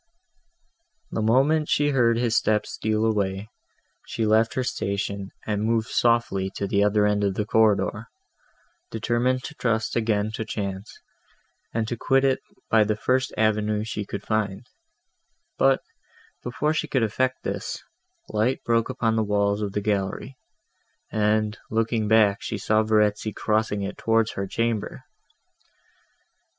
The moment she heard his steps steal away, she left her station and moved softly to the other end of the corridor, determined to trust again to chance, and to quit it by the first avenue she could find; but, before she could effect this, light broke upon the walls of the gallery, and, looking back, she saw Verezzi crossing it towards her chamber.